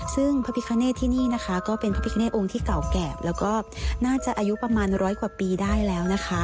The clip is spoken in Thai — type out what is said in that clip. ซึ่งพระพิคเนตที่นี่นะคะก็เป็นพระพิคเนตองค์ที่เก่าแก่แล้วก็น่าจะอายุประมาณร้อยกว่าปีได้แล้วนะคะ